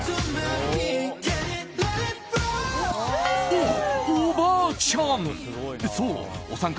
お、おばあちゃん？